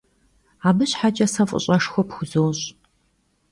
Abı şheç'e se f'ış'eşşxue pxuzoş.